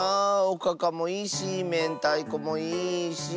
おかかもいいしめんたいこもいいし。